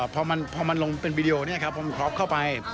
พอมันลงเป็นวิดีโอเนี่ยค่ะพอมันครอบเข้าไป